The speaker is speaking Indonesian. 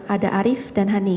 ada arief dan hani